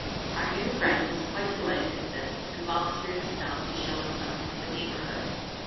Our new friend was quite delighted at this, and volunteered himself to show us something of the neighbourhood.